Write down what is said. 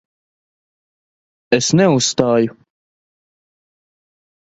Es neuzstāju.